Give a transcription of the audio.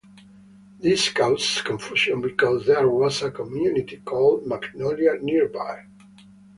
This caused confusion because there was a community called Magnolia nearby.